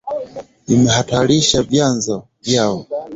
Imehatarisha vyanzo vyao